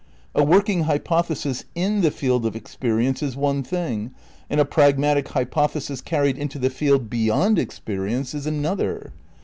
A working hypothesis in the field of experience is one thing, and a pragmatic hypothesis carried into the field beyond experience is another.